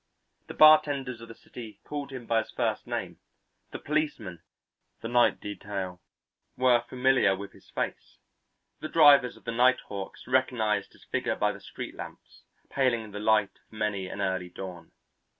The bartenders of the city called him by his first name, the policemen, the night detail, were familiar with his face, the drivers of the nighthawks recognized his figure by the street lamps, paling in the light of many an early dawn.